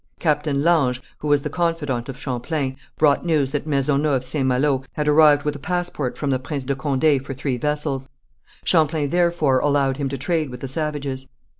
Captain L'Ange, who was the confidant of Champlain, brought news that Maisonneuve of St. Malo had arrived with a passport from the Prince de Condé for three vessels. Champlain therefore allowed him to trade with the savages.